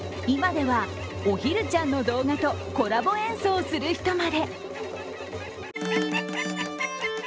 今では、おひるちゃんの動画とコラボ演奏する人まで。